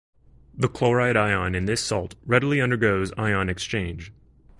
The chloride ion in this salt readily undergoes ion exchange.